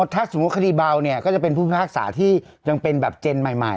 ถ้าสมมุติคดีเบาเนี่ยก็จะเป็นผู้พิพากษาที่ยังเป็นแบบเจนใหม่